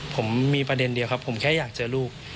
ผมมีประเด็นเดียวครับผมแค่อยากเจอลูก